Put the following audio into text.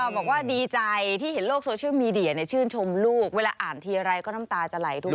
บอกว่าดีใจที่เห็นโลกโซเชียลมีเดียชื่นชมลูกเวลาอ่านทีไรก็น้ำตาจะไหลด้วย